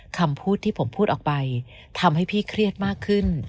คำพูดที่ผมพูดออกไปทำให้พี่เครียดมากขึ้น